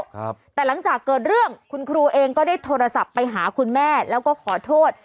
ครับแต่หลังจากเกิดเรื่องคุณครูเองก็ได้โทรศัพท์ไปหาคุณแม่แล้วก็ขอโทษ